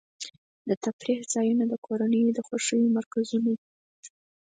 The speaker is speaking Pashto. د تفریح ځایونه د کورنیو د خوښۍ مرکزونه دي.